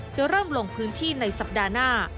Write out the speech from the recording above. จะเริ่มลงพื้นที่ในสัปดาห์หน้า